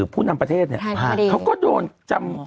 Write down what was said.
ผู้นำประเทศเนี่ยเขาก็โดนจำ